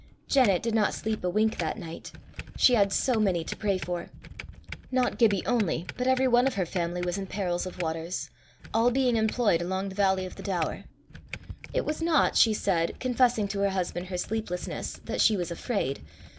Janet did not sleep a wink that night: she had so many to pray for. Not Gibbie only, but every one of her family was in perils of waters, all being employed along the valley of the Daur. It was not, she said, confessing to her husband her sleeplessness, that she was afraid.